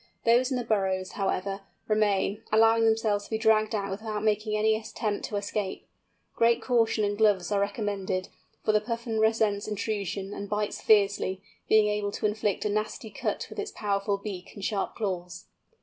Those in the burrows, however, remain, allowing themselves to be dragged out without making any attempt to escape. Great caution and gloves are recommended, for the Puffin resents intrusion and bites fiercely, being able to inflict a nasty cut with its powerful beak and sharp claws.